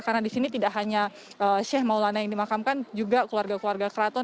karena di sini tidak hanya seh maulana yang dimakamkan juga keluarga keluarga keraton